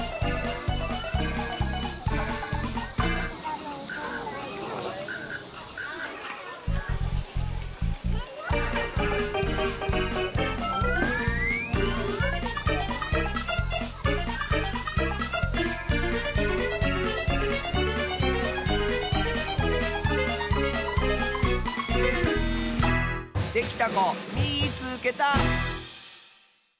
できたこみいつけた！